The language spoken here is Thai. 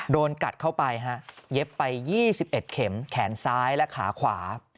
โดนกัดเข้าไปฮะเย็บไป๒๑เข็มแขนซ้ายและขาขวา